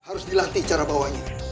harus dilatih cara bawanya